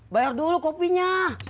bayar dulu kopinya